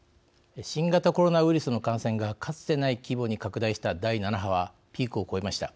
新型コロナウイルスの感染がかつてない規模に拡大した第７波は、ピークを越えました。